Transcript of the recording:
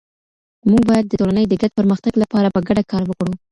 مونږ بايد د ټولني د ګډ پرمختګ لپاره په ګډه کار وکړو.